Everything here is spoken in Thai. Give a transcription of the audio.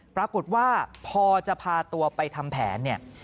ปรากฏว่าพอจะพาตัวไปทำแผนเนี่ย